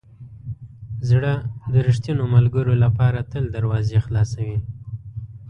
زړه د ریښتینو ملګرو لپاره تل دروازې خلاصوي.